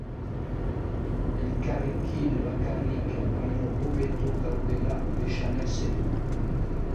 Elkarrekin bakarrik baino hobeto gaudela esanez edo.